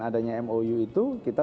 adanya mou itu kita